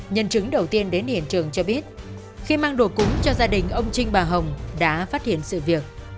nhân chứng đầu tiên đến hiện trường cho biết khi mang đồ cúng cho gia đình ông trinh bà hồng đã phát hiện sự việc